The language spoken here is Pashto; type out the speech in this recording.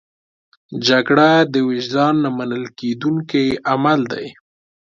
جګړه د وجدان نه منل کېدونکی عمل دی